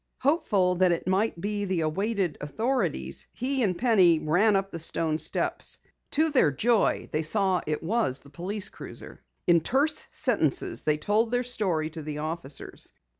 Hopeful that it might be the awaited authorities, he and Penny ran up the stone steps. To their joy they saw that it was the police cruiser. In terse sentences they told their story to the officers.